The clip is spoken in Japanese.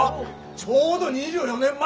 ちょうど２４年前。